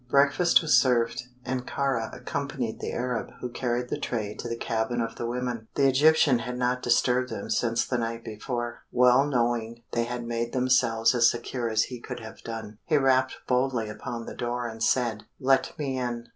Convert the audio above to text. Breakfast was served, and Kāra accompanied the Arab who carried the tray to the cabin of the women. The Egyptian had not disturbed them since the night before, well knowing they had made themselves as secure as he could have done. He rapped boldly upon the door and said: "Let me in."